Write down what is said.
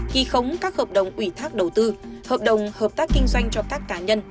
ghi khống các hợp đồng ủy thác đầu tư hợp đồng hợp tác kinh doanh cho các cá nhân